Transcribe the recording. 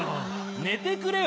寝てくれよ！